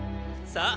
さあ！